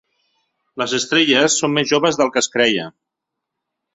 Les estrelles són més joves del que es creia.